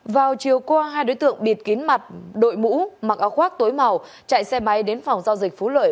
vào chiều qua hai đối tượng bịt kín mặt đội mũ mặc áo khoác tối màu chạy xe máy đến phòng giao dịch phú lợi